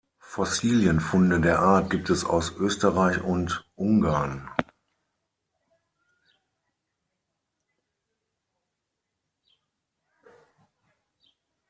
Fossilienfunde der Art gibt es aus Österreich und Ungarn.